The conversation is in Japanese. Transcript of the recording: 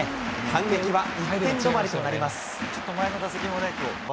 反撃は１点止まりとなります。